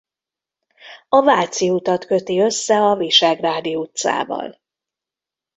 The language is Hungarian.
A Váci utat köti össze a Visegrádi utcával.